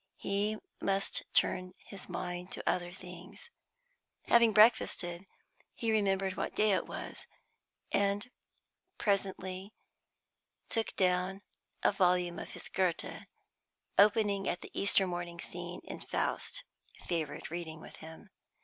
He must turn his mind to other things. Having breakfasted, he remembered what day it was, and presently took down a volume of his Goethe, opening at the Easter morning scene in Faust, favourite reading with him.